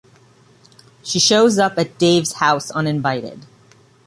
She shows up at Dave's house uninvited.